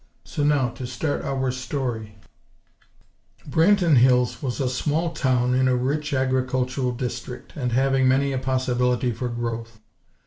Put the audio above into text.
So, now to start our story: Branton Hills was a small town in a rich agricultural district; and having many a possibility for growth.